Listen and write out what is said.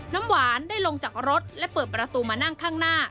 น้ำหวานได้ลงจากรถและเปิดประตูมานั่งข้างหน้า